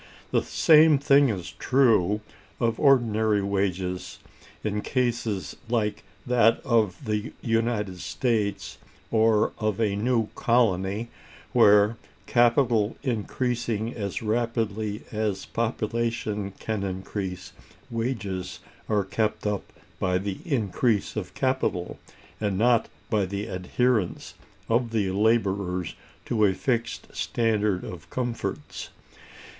The same thing is true of ordinary wages, in cases like that of the United States, or of a new colony, where, capital increasing as rapidly as population can increase, wages are kept up by the increase of capital, and not by the adherence of the laborers to a fixed standard of comforts.